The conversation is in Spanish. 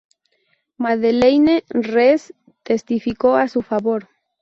Madeleine Rees testificó a su favor.